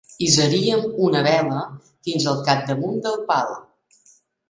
Hissaríem una vela fins al capdamunt del pal.